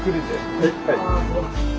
はい。